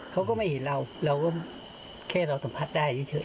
เขาก็ไม่เห็นเราเราก็แค่เราสัมผัสได้เฉย